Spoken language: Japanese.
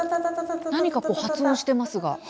何か発音していますね。